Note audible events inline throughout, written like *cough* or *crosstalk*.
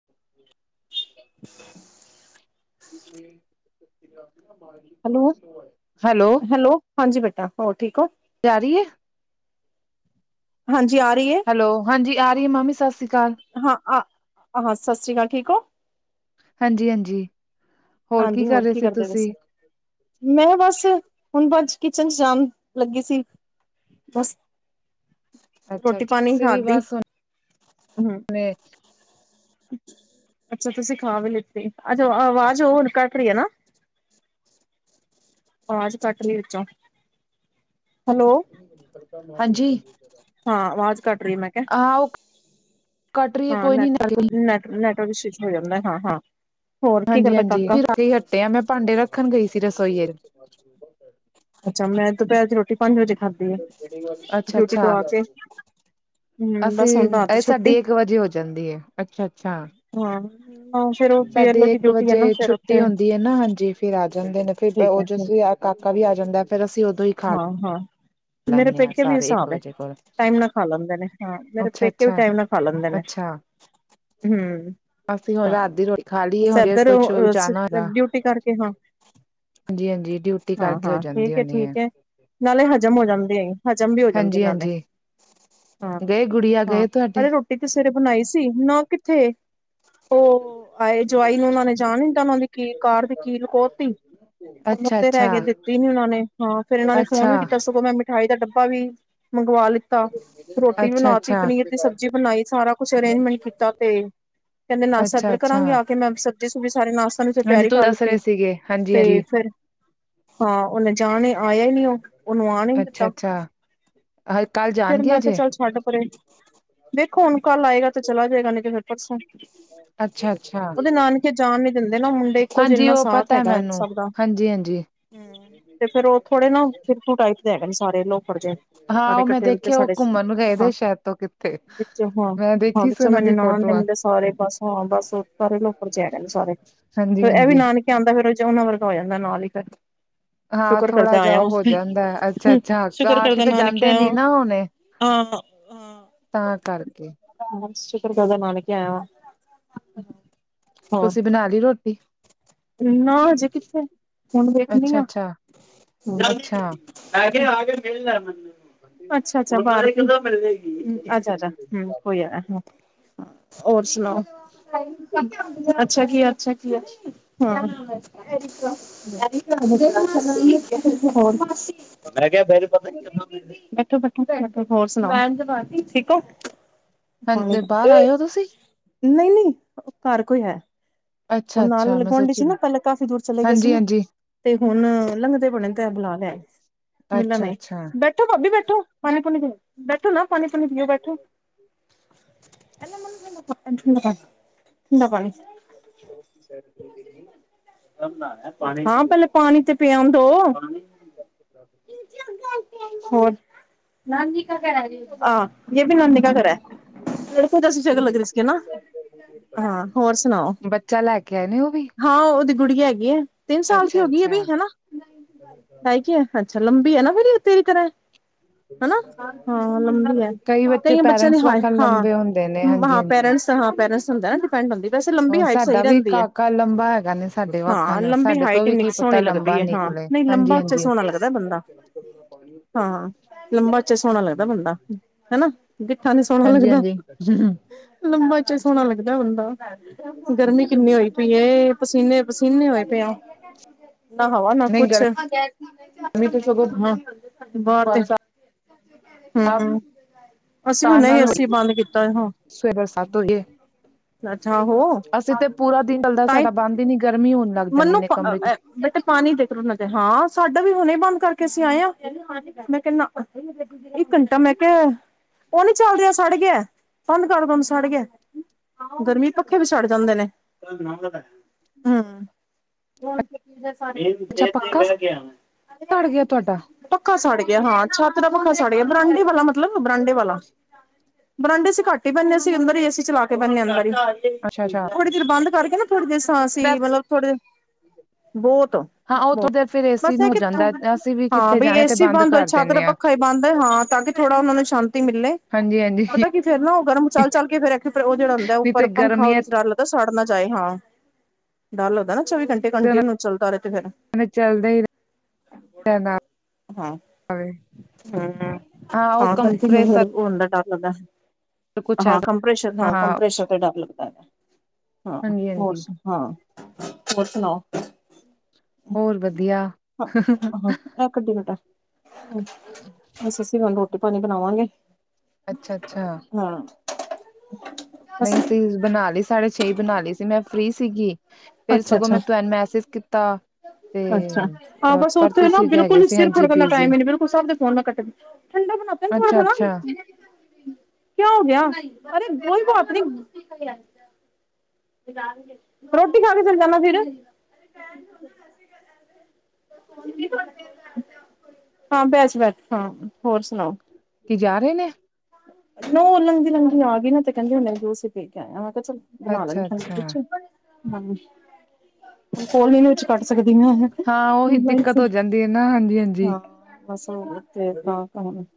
*inaudible* *inaudible* Hello, hello. ਹਾਂਜੀ ਬੇਟਾ, ਹੋਰ ਠੀਕ ਹੋ? ਤੇਆਰੀ ਏ? ਹਾਂਜੀ ਆ ਰਈ ਏ। ਹੈਲੋ, ਹਾਂਜੀ ਆ ਰਈ ਏ, ਮਾਮੀ ਸਤਿ ਸ੍ਰੀ ਅਕਾਲ। ਹਾਂ ਆ ਹਾਂ, ਸਤਿ ਸ਼੍ਰੀ ਅਕਾਲ, ਠੀਕ ਹੋ? ਹਾਂਜੀ-ਹਾਂਜੀ, ਹੋਰ ਕੀ ਕਰ ਰਏ ਸੀ ਤੁਸੀਂ? ਮੈਂ ਬਸ, ਹੁਣ ਬਜ ਕਿਚਨ ਚ ਜਾਣ ਲੱਗੀ ਸੀ, ਬਸ। ਅੱਛਾ ਰੋਟੀ ਅੱਛਾ ਪਾਣੀ ਰਾਤ ਦੀ, ਹੂੰ। ਨੇ ਏ। ਅੱਛਾ ਤੁਸੀਂ ਖਾ ਵੀ ਲਿੱਤੀ, ਅੱਜ ਅ ਆਵਾਜ਼ ਹੁਣ ਕਟ ਰਹੀ ਹੈ ਨਾ? ਆਵਾਜ਼ ਕੱਟ ਰਈ ਏ ਵਿੱਚੋਂ। ਹੈਲੋ, ਹਾਂਜੀ ਹਾਂ ਆਵਾਜ਼ ਕਟ ਰਈ ਏ, ਮੈਂ ਕਿਹਾ। ਹਾਂ ਉਹ ਕੱਟ ਰਹੀ ਹੈ ਹਾਂ ਕੋਈ ਨੀ ਨੈਟਵਰਕ, ਨੈਟ ਨੈਟਵਰਕ ਸਵਿਚ ਹੋ ਜਾਂਦਾ, ਹਾਂ-ਹਾਂ। ਹਾਂਜੀ-ਹਾਂਜੀ *unintelligible* ਕੇ ਹੱਟੇ ਆ, ਮੈਂ ਭਾਂਡੇ ਰੱਖਣ ਗਈ ਸੀ ਰਸੋਈਏ। ਅੱਛਾ, ਮੈਂ ਦੁਪਹਿਰ ਦੀ ਰੋਟੀ ਪੰਜ ਵਜੇ ਖਾਧੀ ਹੈ ਡਿਊਟੀ ਅੱਛਾ-ਅੱਛਾ। ਤੋਂ ਆ ਕੇ ਹਮ ਅਸੀਂ, ਬਸ ਹੁਣ ਰਾਤ ਦੀ ਇਹ ਛੁੱਟੀ ਸਾਡੀ ਇੱਕ ਵਜੇ ਹੋ ਜਾਂਦੀ ਏ, ਅੱਛਾ-ਅੱਛਾ। ਹਾਂ ਫੇਰ ਉਹ ਬੀ ਐਲ ਓ ਸਾਡੇ ਦੀ ਇੱਕ ਡਿਊਟੀ ਹੈ ਨਾ ਵਜੇ ਫੇਰ ਉੱਥੇ ਛੁੱਟੀ ਹੁੰਦੀ ਹੈ ਨਾ ਹਾਂਜੀ, ਫਿਰ ਆ ਜਾਂਦੇ ਨੇ। ਫਰ ਠੀਕ ਉਹ ਹੈ ਜਸੁ ਅ ਕਾਕਾ ਵੀ ਆ ਜਾਂਦਾ ਏ, ਫੇਰ ਅਸੀਂ ਉਦੋਂ ਹੀ ਖਾ ਹਾਂ-ਹਾਂ, ਮੇਰੇ ਲੈਂਦੇ ਹਾਂ ਪੇਕੇੇ ਵੀ ਏਹ ਸਾਰੇ ਇੱਕ ਹਿਸਾਬ ਐ। ਵਜੇ ਕੋਲ ਟਾਈਮ ਨਾਲ ਖਾ ਲੈਂਦੇ ਨੇ ਹਾਂ ਮੇਰੇ ਅੱਛਾ ਪੇਕੇ ਵੀ ਅੱਛਾ ਟਾਈਮ ਨਾਲ ਖਾ ਲੈਂਦੇ ਨੇ, ਅੱਛਾ, ਹੂੰ। ਅਸੀਂ ਹੁਣ ਹਾਂ, ਰਾਤ ਦੀ ਰੋਟੀ ਖਾ ਲਈ ਏ, ਬਸ ਹੁਣ ਏਧਰ ਕੁਛ ਅ ਸੀ ਜਾਣਾ ਹੈਗਾ। ਡਿਊਟੀ ਕਰਕੇ ਹਾਂ ਹਾਂਜੀ-ਹਾਂਜੀ, ਡਿਊਟੀ ਹਾਂ ਕਰਕੇ ਹੋ ਹਾਂ ਜਾਂਦੀ ਠੀਕ ਹੈ ਹੋਣੀ ਏ। ਠੀਕ ਹੈ ਨਾਲੇ ਹਜ਼ਮ ਹੋ ਜਾਂਦੀ, ਹਜ਼ਮ ਵੀ ਹੋ ਜਾਂਦੀ ਨਾਲੇ। ਹਾਂਜੀ-ਹਾਂਜੀ। ਹਾਂ, ਗਏ ਗੁੜੀਆ ਹਾਂ ਗਏ ਤੁਹਾਡੇ? ਅਰੇ ਰੋਟੀ ਤੇ ਸਵੇਰੇ ਬਣਾਈ ਸੀ, ਨਾ ਕਿੱਥੇ ਉਹ ਆਏ ਜਵਾਈ ਨੂੰ ਉਹਨਾਂ ਨੇ ਜਾਣ ਨੀ ਦਿਤਾ, ਉਹਨਾਂ ਦੀ ਕੀ, ਕਾਰ ਦੀ ਕੀ ਲੁਕੋ ਤੀ। ਉਹ ਮੁਦੇ ਰਹਿ ਅੱਛਾ-ਅੱਛਾ, ਗਏ, ਦਿੱਤੀ ਨੀ ਉਹਨਾਂ ਨੇ, ਹਾਂ ਫਿਰ ਇਹਨਾਂ ਨੇ ਫ਼ੋਨ ਅੱਛਾ। ਵੀ ਕੀਤਾ, ਸਗੋਂ ਮੈਂ ਮਿਠਾਈ ਦਾ ਡੱਬਾ ਵੀ ਮੰਗਵਾ ਲਿੱਤ ਤਾ, ਰੋਟੀ ਬਣਾ ਤੀ, ਅੱਛਾ-ਅੱਛਾ, ਪਨੀਰ ਦੀ ਸਬਜ਼ੀ ਬਣਾਈ, ਸਾਰਾ ਕੁਛ ਅਰੇਂਜਮੈਂਟ ਕੀਤਾ ਤੇ ਕਹਿੰਦੇ ਨਾਸ਼ਤਾ ਇਧਰ ਅੱਛਾ-ਅੱਛਾ। ਕਰਾਂਗੇ ਆ ਕੇ, ਮੈਂ ਸਬਜ਼ੀ ਸੁਬਜ਼ੀ ਸਾਰੇ ਨਾਸ ਪੰਜ ਵਜੇ ਹਾਂਜੀ, ਤਿਆਰੀ ਤੂੰ ਕਰ ਦੱਸ ਰਹੇ ਲਿੱਤੀ, ਸੀਗੇ, ਤੇ ਹਾਂਜੀ-ਹਾਂਜੀ, ਫਿਰ, ਹਾਂ ਉਹਨੇ ਜਾਣੇ ਆਇਆ ਈ ਨੀ ਉਹ, ਉਹਨੂੰ ਆਉਣ ਈ ਨੀ ਦਿੱਤਾ। *inaudible* ਹਲੇ ਕੱਲ੍ਹ ਜਾ ਫਿਰ ਮੈਂ ਕਿਆ ਚੱਲ ਛੱਡ ਪਰੇ, ਦੇਖੋ ਹੁਣ ਕੱਲ ਆਏਗਾ ਤੇ ਚਲਾ ਜਾਏਗਾ, ਨੀ ਤੇ ਫਿਰ ਪਰਸੋਂ। ਅੱਛਾ-ਅੱਛਾ। ਕੇ ਜਾਣ ਨੀ ਦਿੰਦੇ ਨਾ ਮੁੰਡੇ, ਇੱਕੋ ਜਿ ਹਾਂਜੀ, ਨਾ, ਉਹ ਸਾਥ ਪਤਾ ਹੈਗਾ ਏ ਮੈਨੂੰ, ਸਭ ਦਾ। ਹਾਂਜੀ-ਹਾਂਜੀ, ਹੂੰ ਤੇ ਫ਼ਿਰ ਉਹ ਥੋੜੇ ਨਾ ਫਿਰਕੂ ਟਾਈਪ ਦੇ ਹੈਗੇ ਨੇ ਸਾਰੇ, ਲੋਫੜ ਜੇਏ। ਹਾਂ ਸਾਰੇ ਉਹ ਮੈਂ ਇਕੱਠੇ ਵਿੱਚੋਂ ਦੇਖਿਆ ਉਹ ਸਾਡੇ, ਘੁੰਮਣ ਗਏ ਹਾਂ, ਦੇ ਸ਼ਾਇਦ ਤੋਂ ਕਿੱਥੇ, ਵਿੱਚੋਂ ਹਾਂ, ਮੈਂ ਹਾਂ ਦੇਖੀ ਸੀ ਵਿੱਚੋਂ ਉਹਨਾਂ ਮੇਰੀ ਦੀ ਨਨਾਣ ਦੇ ਫੋਟੋਆਂ। ਮੁੰਡੇ ਸਾਰੇ ਬਸ ਹਾਂ, ਬਸ ਸਾਰੇ ਲੋਫਰ ਜੇ ਹੈਗੇ ਨੇ ਸਾਰੇ, ਹਾਂਜੀ ਫੇਰ ਇਹ ਵੀ ਹਾਂਜੀ ਨਾਨ ਨਾਨਕੇ ਆਂਦਾ, ਫਿਰ ਉਅਦੇ ਚ, ਉਹਨਾਂ ਵਰਗਾ ਹੋ ਜਾਂਦਾ ਨਾਲ ਈ ਫੇਰ। ਹਾਂ ਸ਼ੁਕਰ ਥੋੜਾ ਕਰਦਾ ਜਾ ਆਇਆ ਵਾਂ, ਹੋ ਜਾਂਦਾ ਹੈ। ਅੱਛਾ ਅੱਛਾ ਸ਼ੁਕਰ ਆ ਕਰਦਾ ਤਾਂ ਨਾਨ ਕੇ ਜਾਂਦੇ ਨੀ ਆਹਾ, ਨਾ ਹੁਣੇ ਹਾਂ ਹਾਂ ਤਾਂ ਕਰਕੇ ਬਸ ਸ਼ੁਕਰ ਕਰਦਾ ਨਾਨਕੇ ਆਇਆ ਵਾ। ਤੁਸੀਂ ਬਣਾ ਲਈ ਰੋਟੀ? ਨਾ, ਹਜੇ ਕਿੱਥੇ? ਹੁਣ ਵੇਖਣੀ ਅੱਛਾ ਆ। ਅੱਛਾ ਅੱਛਾ ਐਗੇ ਆ ਕੇ ਮਿਲ ਲੇ ਮਨੂੰ, ਅੱਛਾ-ਅੱਛਾ ਬ, ਦੁਬਾਰੇ ਕਦੋਂ ਮਿਲੇ ਅੱਛਾ-ਅੱਛਾ ਹੂੰ, ਕੋਈ ਆਇਆ ਹੈ, ਹਾਂ ਔਰ ਸੁਣਾਓ? ਅੱਛਾ ਕੀ, ਅੱਛਾ ਕੀ ਹ *unintelligible* *unintelligible* ਮੈਂ ਕਿਹਾ ਬੈ *unintelligible* ਹੋਰ ਸੁਣਾ ਠੀਕ ਓ। ਹਾਂ ਬਾਹਰ ਆਏ ਹੋ ਤੁਸੀਂ ਨਹੀਂ-ਨਹੀਂ ਘਰ ਕੋਈ ਹੈ। ਉਹ ਅੱਛਾ ਨਾਲ ਅੱਛਾ ਵਾਲੇ ਮੈਂ ਗੁਆਂਡੀ ਸੋਚੀ ਸੀ ਨਾ ਪਹਿਲਾਂ ਕਾਫ਼ੀ ਦੂਰ ਚਲੇ ਗਏ ਸੀ ਹਾਂਜੀ ਨਾ। ਹਾਂਜੀ ਤੇ ਹੁਣ ਲੰਘਦੇ ਬਣੇ ਤੇ ਬੁਲਾ ਲਿਆ। ਮਿਲਣ ਨਹੀਂ ਅੱਛਾ-ਅੱਛਾ ਬੈਠੋ ਭਾਬੀ ਬੈਠੋ ਪਾਣੀ ਪੂਣੀ ਦੀ ਬੈਠੋ ਨਾ ਪਾਣੀ ਪੂਣੀ ਪੀਓ ਬੈਠੋ। *unintelligible* ਠੰਡਾ ਪਾਣੀ *inaudible* ਹਾਂ ਪਹਿਲੇ ਪਾਣੀ ਤੇ ਪਿਆਣ ਦਿਉ। ਹੋਰ ਨਾਨੀ ਕਾ ਘਰ ਐ ਜੀ ਆ ਯ ਵੀ ਨਾਨੀ ਕਾ ਘਰ ਐ। ਕੋ ਦਸੀ ਚਕਰ ਲੱਗਦੇ ਸੀਗੇ ਨਾ ਹਾਂ ਹੋਰ ਸੁਣਾਓ। ਚਾ ਲੈ ਕੇ ਆਏ ਨੇ ਉਹ ਵੀ। ਹਾਂ ਉਹਦੀ ਗੁੜੀ ਹੈਗੀ ਆ ਤਿੰਨ ਸਾਲ ਦੀ ਅੱਛਾ ਹੋ ਗਈ ਹੈ ਬ ਅੱਛਾ ਹਨਾ ਢਾਈ ਦੀ ਹੈ। ਅੱਛਾ ਲੰਬੀ ਏ ਨਾ ਤੇੇਰੀ ਤਰਾ। ਹਨਾ ਹਾਂ ਲੰਬੀ ਹੈ ਕਈ ਬੱਚੇ ਕਈਆਂ ਬੱਚਿਆ ਦੀ ਪੇਰੈਂਟਸ ਹਾਏ ਵਾਕਣ ਲੰਬੇ ਹੁੰਦੇ ਨੇ ਹਾਂਜੀ ਹਾਂ-ਹਾਂ ਹਾਂਜੀ ਪੇਰੈਂਟਸ ਹਾਂ ਪੇਰੈਂਸ ਨਾ ਡਪੈਂਡ ਹੁੰਦੀ ਵੈੇ ਲੰਬੀ ਹੁਣ ਹਾਈਟ ਸਹੀ ਸਾਡਾ ਵੀ ਰਹਿੰਦੀ ਕਾਕਾ ਲੰਬਾ ਹੈਗਾ ਨੇ ਸਾਡੇ ਹਾਂ ਵੱਖਣ ਲੰਬੀ ਸਾਡੇ ਤੋਂ ਹਾਈਟ ਵੀ ਇੰਨੀ ਕੀ ਸੋਹਣੀ ਪਤਾ ਲੱਗਦੀ ਲੰਬਾ ਹੈ ਹਾਂ ਨਿਕਲੇ। ਨਹੀਂ ਲੰਬਾ ਉੱਚਾ ਹਾਂਜੀ-ਹਾਂਜੀ। ਸੋਹਣਾ ਲੱਗਦਾ ਬੰਦਾ ਹਾਂ ਲੰਬਾ ਉਚਾ ਸੋਹਣਾ ਲੱਗਦਾ ਬੰਦਾ ਹਨਾ। ਗਿੱਠਾ ਨੀ ਸੋਹਣਾ ਲੱਗਦਾ। ਹਾਂਜੀ-ਹਾਂਜੀ ਲੰਬਾ ਉਚਾ ਸੋਹਣਾ ਲੱਗਦਾ ਬੰਦਾ, ਗਰਮੀ ਕਿੰਨੀ ਹੋਈ ਪਈ ਏ। ਪਸੀਨੇ-ਪਸੀਨੇ ਹੋਏ ਪਏ ਆ। ਨਾ ਹਵਾ ਨਾ ਨਹੀਂ ਕੁਛ, ਗਰਮੀ ਤੇ ਸਗੋਂ ਹ ਬਾਹਰ ਤੇ ਬਰਸਾਤ ਹੁ-ਹੁ ਅਸੀਂ ਵੀ ਤਾਂ ਹੁਣੇ ਈ ਨਾਲ ਹੋਈ ਏਸੀ ਬੰਦ ਕੀਤਾ ਏ ਹਾਂ। ਸਵੇਰ ਬਰਸਾਤ ਹੋਈ ਏ। ਅੱਛਾ ਹੋ। ਅਸੀਂ ਤੇ ਪੂਰਾ ਦਿਨ ਚੱਲਦਾ ਤਾਂਹੀ ਸਾਡਾ ਬੰਦ ਈ ਨੀ ਗਰਮੀ ਹੋਣ ਲੱਗ ਜਾਂਦੀ ਮੈਨੂੰ ਨੇ ਕਮਰੇ ਚ। ਬੇਟੇ ਪਾਣੀ ਦੇਖ ਰੁੜ ਨਾ ਜਾਏ ਹਾਂ ਸਾਡਾ ਵੀ ਹੁਣੇ ਬੰਦ ਕਰਕੇ ਅਸੀਂ ਆਏ ਹਾਂ ਮੈਂ ਕਿਹਾ ਨਾ ਇੱਕ ਘੰਟਾ ਮੈਂ ਕਿਹਾ ਉਹ ਨੀ ਚੱਲ ਰਿਹਾ ਸੜ ਗਿਆ ਬੰਦ ਕਰ ਬੰਦ ਸੜ ਗਿਆ ਗਰਮੀ ਪੱਖੇ ਵੀ ਸੜ ਜਾਂਦੇ ਨੇ ਹਮ। ਇਦੇ ਤੇ ਅੱਛਾ ਹੀ ਪੱਕਾ ਬਹਿ ਗਿਆ ਹੁਣ। ਸੜ ਗਿਆ ਤੁਹਾਡਾ ਪੱਖਾ ਸੜ ਗਿਆ ਹਾਂ ਛੱਤ ਦਾ ਪੱਖਾ ਸੜ ਗਿਆ ਬਰਾਂਡੇ ਵਾਲਾ ਮਤਲਬ ਬਰਾਂਡੇ ਵਾਲਾ। ਬਰਾਂਡੇ ਅਸੀਂ ਘੱਟ ਹੀ ਬੈਨੇਆ ਸੀ ਅੰਦਰ ਹੀ ਏਸੀ ਚਲਾ ਕੇ ਬੈਨੇਆ ਅੰਦਰ ਈ, ਅੱਛਾ-ਅੱਛਾ ਥੋੜੀ ਦੇਰ ਬੰਦ ਕਰਕੇ ਏ ਨਾ ਥੋੜੀ ਦੇਰ ਸਾਂਸੀ ਮਤਲਬ ਥੋੜੇ ਹਾਂ ਉਹ ਬੋਹਤ-ਬੋਹਤ ਥੋੜੀ ਦੇਰ ਫਿਰ ਏਸੀ ਬਸ ਨੂੰ ਇਹ ਹੋ ਕਿ ਜਾਂਦਾ ਅਸੀਂ ਵੀ ਹਾਂ ਕਿੱਥੇ ਬ ਜਾਣੇ ਤੇ ਏਸੀ ਬੰਦ ਹੋ ਕਰ ਛਤ ਪ ਦਿੰਦੇ ਹਾਂ। ਪੱਖਾ ਹੀ ਬੰਦ ਹਾਂ ਤਾਂ ਕਿ ਥੋੜਾ ਉਹਨਾਂ ਨੂੰ ਸ਼ਾਂਤੀ ਮਿਲੇ। ਹਾਂਜੀ-ਹਾਂਜੀ ਫ਼ੇਰ ਨਾ ਉਹ ਗਰਮ ਚੱਲ-ਚੱਲ ਫੇ ਆ ਫੇਰ ਉਹ ਜਿਹੜ ਹੁੰਦਾ ਨਹੀਂ ਉੱਪਰ ਤੇ ਪੰਖਾ ਗਰਮੀਆਂ ਉਹਦੇ ਲੱਗਦਾ ਸੜ ਨਾ ਜਾਏ ਹਾਂ ਡਰ ਲੱਗਦਾ ਨਾ ਚੌਵੀ ਘੰਟੇ ਕੰਟੀਨਿਊ ਚੱਲਦਾ ਰਿਹਾ ਤੇ ਫਿਰ ਚੱਲਦਾ ਹੀ *unintelligible* ਹਾਂ ਵੇ। ਹੂੰ-ਹੂੰ ਉਹ ਹਾਂ ਕੰਟੀਨਿਊ ਫਿਰ ਕੰਪ੍ਰੇਸਰ ਹੋ ਹੁੰਦਾ ਡਰ ਲੱਗਦਾ ਕੁਛ ਹਾਂ ਐਸਾ ਕੰਪਰੈਸ਼ਰ ਹਾਂ ਕੰਪਰੈਸ਼ਰ ਦਾ ਡਰ ਲੱਗਦਾ। ਹਾਂ ਹਾਂਜੀ ਹੋਰ ਹਾਂਜੀ ਸੁ ਹਾਂ ਹੋਰ ਸੁਣਾਓ। ਹੋਰ ਵਧੀਆ। ਹਾਂ-ਹਾਂ ਇਹ ਕੱਢੀ ਬੇਟਾ ਬਸ ਅਸੀਂ ਰੋਟੀ ਪਾਣੀ ਬਣਾਵਾਂਗੇ। ਅੱਛਾ ਅੱਛਾ ਹਾਂ। ਬਸ ਨਹੀਂ ਸਬਜੀ ਬਣਾ ਲਈ ਸਾਢੇ ਛੇ ਹੀ ਬਣਾ ਲਈ ਸੀ ਮੈਂ ਫ੍ਰਰੀ ਸੀਗੀ। ਫੇਰ ਅੱਛਾ ਸਗੋਂ ਅੱਛਾ ਮੈਂ ਤੁਹਾਨੂੰ ਮੈਸੇਜ ਕੀਤਾ। ਤੇ ਅੱਛਾ, ਹਾਂ ਅ ਬਸ ਪਰ ਉੱਥੇ ਨਾ ਤੁਸੀਂ ਹੈਗੇ ਬਿਲਕੁਲ ਈ ਸੀ ਸਿਰ ਹਾਂਜੀ ਖ਼ੁਰਕਣ ਦਾ ਬਿਜੀ ਟਾਈਮ ਈ ਨੀ ਬਿਲਕੁਲ ਸਬ ਦੇ ਫੋਨ ਮੈਂ ਕੱਟ ਠੰਡਾ ਬਣਾਦਾ ਅੱਛਾ ਥੋੜਾ-ਥੋੜਾ। ਅੱਛਾ ਕਿਆ ਹੋ ਗਿਆ ਅਰੇ ਕੋਈ ਬਾਤ ਨੀ। ਰੋਟੀ ਖਾ ਕੇ ਚਲੇ ਜਾਣਾ ਫਿਰ। ਹਾਂ ਭੇਟ ਭੇਟ ਹਾਂ ਹੋਰ ਸੁਣਾਓ। ਇਹ ਜਾ ਰਹੇ ਨੇ। ਨਾ ਉਹ ਲਹੰਗਦੀ ਲਹੰਗਦੀ ਆ ਗਈ ਨਾ ਤੇ ਕਹਿੰਦੇ ਹੁਣੇ ਜੁਸੀ ਪੀ ਕੇ ਆਇਆ ਮੈਂ ਕਿਹਾ ਚਲ ਬਣਾ ਅੱਛਾ ਲੈਂਦੀ ਅੱਛਾ ਕੁਛ। ਹਾਂਜੀ, ਕੋਲੀ ਨੂੰ ਹਾਂ ਉਹੀ ਦਿੱਕਤ ਹੋ ਜਾਂਦੀ ਹੈ ਨਾ ਹਾਂਜੀ ਹਾਂਜੀ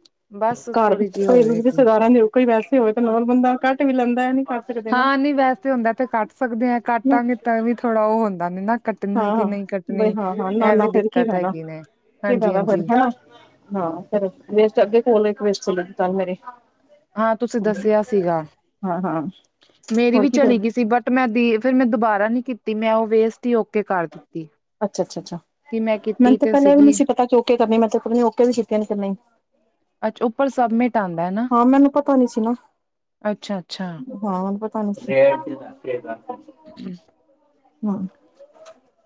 *inaudible* *inaudible* ਬਸ ਥੋੜੀ ਜੀ ਹੋਵੇਗੀ। ਰਹਿੰਦੇ ਹੋਏ ਕੋਈ ਵੈਸੇ ਹੋਵੇ ਤਾਂ ਨੋਨ ਬੰਦਾ ਕੁੱਟ ਵੀ ਲੈਂਦਾ ਐ ਨੀ ਹਾਂ ਨੀ ਵੈਸੇ ਹੁੰਦਾ ਤੇ ਕੱਟ ਸਕਦੇ ਆ ਕਾਟਾ- ਮਿਟਾ ਵੀ ਥੋੜਾ ਉਹ ਹੁੰਦਾ ਨੇ ਨਾ ਕਟ ਹਾਂ-ਹਾਂ ਬਈ ਹਾਂ-ਹਾਂ ਨਾ-ਨਾ ਫੇਰ ਕਿ ਦਿੱਕਤ ਫਾਇਦਾ ਹੈਗੀ ਨੇ ਕਿ ਹਾਂਜੀ ਫੈਦਾ ਫੇਰ ਹਾਂਜੀ ਹਨਾ। ਹਾਂ ਫਿਰ ਵੇਸਟ ਅਗੇ ਕੋਲ ਇੱਕ ਵੇਸਟ ਚਲੇਗੇ ਕੋਲ ਮੇਰੇ। ਹਾਂ ਤੁਸੀਂ ਦੱਸਿਆ ਸੀਗਾ ਹਾਂ ਹਾਂ ਮੇਰੀ ਹੋਰ ਵੀ ਕੀ ਚਲੀ ਕਰ ਗਈ ਸੀ ਬਟ ਤੇ ਮੈਂ ਦੀਦੀ, ਫੇਰ ਮੈਂ ਦੁਬਾਰਾ ਨੀ ਕੀਤੀ ਮੈਂ ਉਹ ਵੇਸਟ ਹੀ ਓਕੇ ਕਰਤੀ। ਅੱਛਾ-ਅੱਛਾ-ਅੱਛਾ। ਮੈਨੂੰ ਤੇ ਪਹਿਲੇ ਵੀ ਨੀ ਸੀ ਪਤਾ ਕਿ ਓਕੇ ਕਰਨੇ ਮੈ ਤੇ ਪਤਾ ਨੀ ਓਕੇ ਵੀ ਕੀਤੇ ਨੇ ਕੇ ਨਈ। ਔਛਾ ਉੱਪਰ ਸਬਮਿਟ ਆਂਦਾ ਹ ਨਾ ਹਾਂ ਮੈਨੂੰ ਪਤਾ ਨੀ ਸੀ ਨਾ ਅੱਛਾ ਅੱਛਾ ਹਾਂ ਪਤਾ ਨੀ। ਬ *unintelligible* ਹਮ।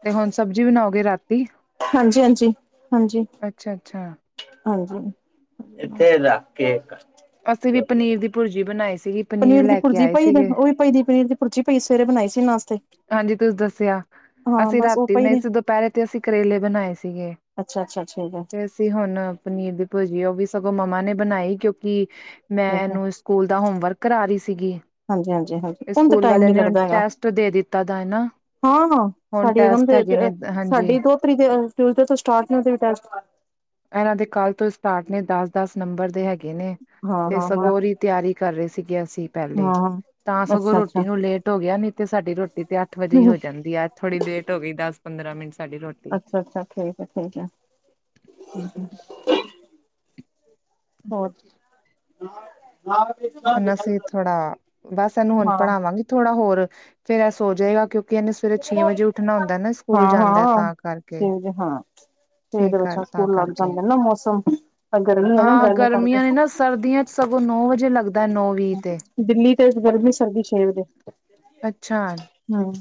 ਤੇ ਹੁਣ ਸਬਜ਼ੀ ਬਣਾਓਗੇ ਰਾਤੀ। ਹਾਂਜੀ-ਹਾਂਜੀ ਹਾਂਜੀ। ਅੱਛਾ ਅੱਛਾ ਹਾਜੀ ਐਥੇ ਰਖਕੇ ਕੱਟ। ਅਸੀਂ ਵੀ ਪਨੀਰ ਦੀ ਭੁਰਜੀ ਬਣਾਈ ਸੀਗੀ। ਪਨੀਰ ਦੀ ਲੈ ਕੇ ਭੁਰਜੀ ਆਏ ਪਈ ਸੀਗੇ ਉਹ ਹੀ ਪਈ ਹੈ ਪਨੀਰ ਦੀ ਭੁਰਜੀ ਸਵੇਰੇ ਬਣਾਈ ਸੀ ਨਾਸਤੇ ਵਿਚ। ਹਾਂਜੀ, ਤੁਸੀਂ ਦੱਸਿਆ। ਅਸੀਂ ਬਸ ਉਹ ਰਾਤੀ ਪਈ ਨਹੀਂ ਨੇ ਸੀ ਦੁਪਹਿਰੇ ਤੇ ਅਸੀਂ ਕਰੇਲੇ ਬਣਾਏ ਸੀਗੇ। ਅੱਛਾ ਅੱਛਾ ਠੀਕ ਹੈ ਤੇ ਅਸੀਂ ਹੁਣ ਪਨੀਰ ਦੀ ਭੁਜੀ ਉਹ ਵੀ ਸਗੋਂ ਮੰਮਾ ਨੇ ਬਣਾਈ। ਕਿਉਂਕਿ ਮੈਂ ਠੀਕ ਹੈ ਇਹਨੂੰ ਸਕੂਲ ਦਾ ਹੋਮਵਰਕ ਕਰਾ ਰਹੀ ਸੀਗੀ ਹਾਂਜੀ ਹਾਂਜੀ ਹਾਂਜੀ ਹੁਣ ਤਾਂ ਸਕੂਲ ਟਾਈਮ ਵਾਲੇ ਨੀ ਨੇੁ ਲੱਗਦਾ ਹੈਗਾ ਟੈਸਟ ਦੇ ਦਿੱਤਾ ਹੈ ਨਾ ਹਾਂ ਹਾਂ ਹੁਣ ਸਾਡੀ ਇਕਦਮ ਟੈਸਟ ਦੇ ਹੈਗੇ ਨੇ ਹਾਂਜੀ। ਸਾਡੀ ਦੋ ਤਾਰੀਕ ਟਿਊਜ਼ਡੇ ਤੋਂ ਸਟਾਰਟ ਨੇ ਇਹਦੇ ਟੈਸਟ। *unintelligible* ਇਹਨਾਂ ਦੇ ਕੱਲ੍ਹ ਤੋਂ ਸਟਾਰਟ ਨੇ ਦਸ -ਦਸ ਨੰਬਰ ਦੇ ਹੈਗੇ। ਗਣੇ ਹਾਂ ਤੇ ਹਾਂ ਹਾਂ ਸਰੋ ਦਿ ਤਿਆਰੀ ਕਰ ਰਹੇ ਸੀਗੇ ਅਸੀਂ ਪਹਿਲੇ। ਹਾਂ ਤਾਂ ਸਗੋਂ ਅੱਛਾ ਰੋਟੀ ਅੱਛਾ ਨੂੰ ਲੇਟ ਹੋ ਗਿਆ ਨੀ ਤੇ ਸਾਡੀ ਰੋਟੀ ਤੇ ਅੱਠ ਵਜੇ ਹੀ ਹੋ ਜਾਂਦੀ ਆ ਅੱਠ ਥੋੜ੍ਹੀ ਲੇਟ ਹੋ ਗਈ ਦਸ ਪੰਦਰਾ ਮਿੰਟ ਸਾਡੀ ਰੋਟੀ। ਅੱਛਾ-ਅੱਛਾ, ਠੀਕ ਹੈ ਠੀਕ ਹੈ। ਹੋਰ। ਹੁਣ ਅਸੀਂ ਥੋੜਾ ਬਸ ਇਹਨੂੰ ਹੁਣ ਹਾਂ ਪੜ੍ਹਾਵਾਂਗੀ ਥੋੜਾ ਹੋਰ। ਫੇਰ ਐ ਸੋ ਜਾਏਗਾ ਕਿਉਂਕਿ ਇਹਨੇ ਸਵੇਰੇ ਛੇ ਵਜੇ ਉੱਠਣਾ ਹੁੰਦਾ ਨਾ ਸਕੂਲ ਜਾਂਦਾ ਤਾਂ ਕਰਕੇ। ਤੀ ਜੇ ਹਾਂ। ਠੀਕ ਇਹਦੇ ਬਚਿਆ ਕਰ ਦੇ ਤਾਂ ਸਕੂਲ ਲਗ ਕਰਕੇ ਜਾਂਦੇ ਨੇ ਮੌਸਮ ਗਰਮੀ ਏ ਨਾ ਹਾਂ ਗਰਮੀ ਕਰਕੇ। ਗਰਮੀਆਂ ਨੇ ਨਾ ਸਰਦੀਆਂ ਚ ਸਗੋ ਨੌ ਵਜੇ ਲੱਗਦਾ ਹੈ। ਦਿੱਲੀ, ਤੇ ਗਰਮੀ ਸਰਦੀ ਛੇ ਵਜੇ। ਅੱਛਾ, ਹਮ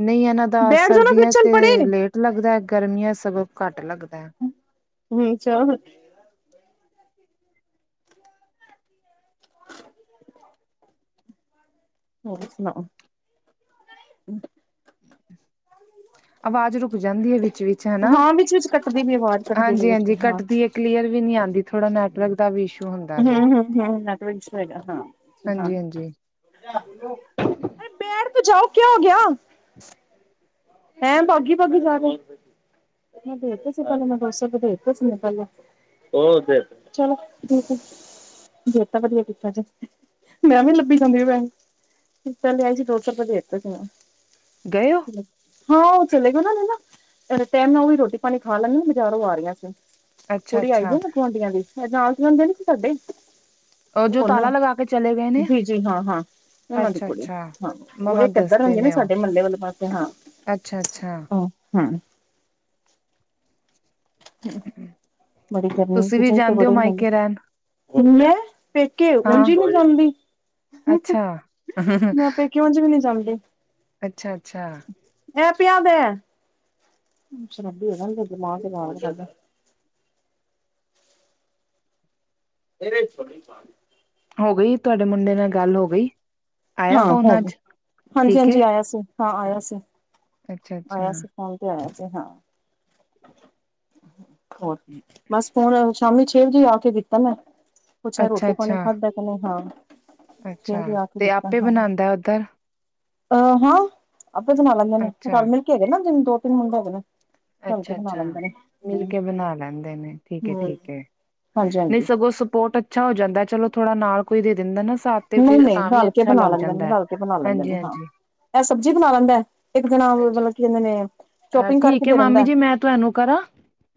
ਨਈ ਇਹਨਾਂ ਦਾ ਬੈਠ ਜਾਣਾ ਫਿਰ ਸਰਦੀਆਂ ਚ ਚੱਲ ਪੜੇ ਤੇ ਲੇਟ। ਲੱਗਦਾ ਸ਼ੈਕੇ ਗਰਮੀਆਂ ਸਗੋ ਘੱਟ ਲੱਗਦਾ। ਹੁਣ, ਚਲ। ਹੋਰ ਸੁਣਾਓ? ਆਵਾਜ਼ ਰੁਕ ਜਾਂਦੀ ਹੈ ਵਿੱਚ- ਵਿਚ ਹਨਾ। ਹਾਂ ਵਿੱਚ ਵਿੱਚ ਕੱਟਦੀ ਵੀ ਆਵਾਜ਼ ਕੱਟਦੀ ਵੀ ਹਾਂਜੀ- ਵਿੱਚ ਹਾਂਜੀ ਹਾਂ ਕੱਟਦੀ ਹੈ। ਕਲੀਅਰ ਵੀ ਨੀ ਆਂਉਦੀ। ਥੋੜਾ ਨੈਵਰਕ ਦਾ ਵੀ ਇਸ਼ੂ। ਹੁੰਦਾ ਵੇ ਹੂੰ- ਹੂੰ, ਹੂੰ ਨੈਟਵਰਕ ਹੈਗਾ ਹਾਂ -ਹਾਂ ਹਾਂਜੀ ਆ। ਹਾਂਜੀ ਬੈਠ ਤੋਂ ਜਾਓ ਕਿਆ ਹੋ ਗਿਆ। ਹਾਂ *inaudible* ਹੈਂ ਬਗੀ-ਬਗੀ ਜਾ ਰਹੀ। ਮੈ ਦੇਤੇ ਸੀ ਪਹਲੇ ਮੈਂ ਢੇੜ ਸੌ ਰੂਪੇ ਪਹਿਲੇ। ਬਹੁ ਵਧੀਆ ਚਲੋ ਫੇਰ ਚਲੋ, ਦੇਤਾ ਵਧੀਆ ਕੀਤਾ ਜੇ। ਮੈਂ ਵੀ ਲੱਭੀ ਜਾਦੀ ਬੈਂ। ਪਹਿਲੇ ਆਈ ਸੀ ਦੋ ਸੌ ਰੁਪਏ ਦੇ ਇੱਕ ਵਾਰ। ਗਣੇ ਓਹ। ਹਾਂ, ਉਹ ਚਲੇ ਗਏ ਨਾ, ਉਨਾਂ ਨੇ ਨਾ ਟਾਈਮ ਨਾਲ ਉਹ ਵੀ ਰੋਟੀ -ਪਾਣੀ ਖਾ ਲੈਂਦੇ, ਬਜ਼ਾਰ ਉਹ ਆ ਰਹੀਆਂ ਸੀ। ਅੱਛਾ ਕੁੜੀ ਆਈ ਦੀ ਅੱਛਾ ਨਾ ਗੁਆਂਢੀਆਂ ਦੀ ਅ। ਨਾਲ ਰਹਿਦੀ ਸੀ ਸਾਡੇ। ਉਹ ਜੋ ਹੋ ਨਾ ਤਾਲਾ ਲਗਾ ਕੇ ਚਲੇ ਗਏ ਨੇ ਜੀ, ਜੀ ਹਾਂ, ਹਾਂ ਉਹਨਾਂ ਦੀ ਕੁੜੀ ਅੱਛਾ-ਅੱਛਾ, ਹਾਂ। ਉਹ ਮੰਮਾ ਇਹ ਕਿੱਧਰ ਰਹਿੰਦੀ ਨਾ ਸਾਡੇ ਮਹੱਲੇ ਵਾਲੇ ਪਾਸੇ ਹਾਂ। ਅੱਛਾ -ਅੱਛਾ। ਹੂੰ, ਹਾਂ। ਬੜੀ ਗਰਮੀ ਤੁਸੀਂ ਵੀ ਕਿਚਨ ਤੇ ਜਾਂਦੇ ਹੋ ਵਾੜਯਾ ਨਹੀ ਮਾਇਕੇ ਰਹਿਣ ਜਾਂਦਾ। ਪੇਕੇ ਉਂਝ ਹਾਂ ਨੀ ਜਾਂਦੀ। ਅੱਛਾ। ਮੈਂ ਪੇਕੇ ਓਂਝ ਵੀ ਨਹੀਂ ਜਾਂਦੀ। ਅੱਛਾ-ਅੱਛਾ, ਇਹ ਪਿਆ ਵੇਆ ਹੈ। ਸ਼ਰਾਬੀ ਹੈਗਾ, ਇਂਦਾ ਦਿਮਾਗ ਖਰਾਬ ਰਹਿੰਦਾ। ਤੇਰੇ ਚੋ ਹੋ ਗਈ। ਤੁਹਾਡੇ ਮੁੰਡੇ ਨਾਲ ਗੱਲ ਹੋ ਗਈ। ਆਇਆ ਹਾਂ ਹੋ ਫੋਨ ਗਣੀ। ਅੱਜ ਹਾਂਜੀ ਠੀਕ ਹੈ -ਹਾਂਜੀ ਆਇਆ ਸੀ, ਹਾਂ ਆਇਆ ਸੀ, ਅੱਛਾ-ਅੱਛਾ, ਆਇਆ ਸੀ। ਫੋਨ ਤੇ ਆਇਆ ਸੀ। ਹਾਂ ਹੋਰ, ਬਸ ਫੋਨ ਸ਼ਾਮੀ ਛੇ ਵਜੇ ਆ ਕੇ ਕੀਤਾ ਮੈਂ, ਅੱਛਾ-ਅੱਛਾ, ਪੁਛਾਹ ਅੱਛਾ ਰੋਟੀ- ਪਾਣੀ ਅੱਛਾ ਖਾਧਾ ਕਹਿੰਦੇ ਹਾਂ, ਫੇਰ ਛੇਹ ਵਜੇ ਆ ਕੇ। ਕੀ ਹਾਂ ਬਣਉਂਦਾ ਉੱਧਰ? ਅਹ ਹਾਂ ਆਪੇ ਬਣਾ ਲੈਂਦੇ ਨੇ, ਅੱਛਾ, ਰਲ ਮਿਲ ਕੇ ਹੈਗੇ ਨਾ, ਜਨ ਦੋ- ਤਿੰਨ ਮੁੰਡੇ ਹੈਗੇ ਨੇ। ਰਲ ਕੇ ਅੱਛਾ- ਬਣਾ ਅੱਛਾ ਲੈਂਦੇ ਨੇ ਮਿਲ ਹੂੰ ਕੇ ਬਣਾ ਲੈਂਦੇ ਨੇ ਠੀਕ ਹੈ- ਹੂੰ ਠੀਕ ਹੈ। ਹਾਂਜੀ ਨਹੀਂ ਹਾਂਜੀ ਸਗੋਂ ਸਪੋਰਟ ਅੱਛਾ ਹੋ ਜਾਂਦਾ। ਚਲੋ ਥੋੜਾ ਨਾਲ ਕੋਈ ਦੇ ਦਿੰਦਾ ਨਾ ਸਾਥ। ਤੇ ਨਹੀਂ- ਫਿਰ ਨਹੀਂ ਤਾਂ ਵੀ ਰਲ ਕੇ ਅੱਛਾ ਬਣਾ ਲੱਗ ਲੈਂਦੇ ਨੇ, ਜਾਂਦਾ ਹੈ ਰਲ ਕੇ ਬਣਾ ਲੈਂਦੇ ਨੇ ਹਾਂ। ਹਾਂਜੀ-ਹਾਂਜੀ, ਹਾਂਜੀ। ਇਕ ਸਬਜ਼ੀ ਬਣਾ ਲੈਂਦਾ ਐ, ਇੱਕ ਜਣਾ ਹਾਂਜੀ ਮਤਲਬ ਕੀ ਕਹਿੰਦੇ ਨੇ ਅ, ਚੋਪਿੰਗ ਕਰਕੇ ਠੀਕ ਦੇ ਦਿੰਦਾ ਮਾਮੀ ਹੈ। ਜੀ ਮੈਂ ਤੁਹਾਨੂੰ ਕਰਾਂ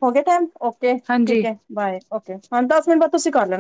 ਹੋ ਗਿਆ ਟਾਈਮ ਓਕੇ, ਹਾਂਜੀ ਠੀਕ ਹੈ। Bye, okay. ਹੁਣ ਦਸ ਮਿੰਟ ਬਾਅਦ ਤੁਸੀਂ ਕਰ ਲੈਣਾ।